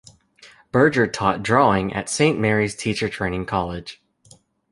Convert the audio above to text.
Berger taught drawing at Saint Mary's teacher training college.